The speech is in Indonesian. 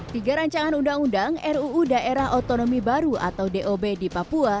tiga rancangan undang undang ruu daerah otonomi baru atau dob di papua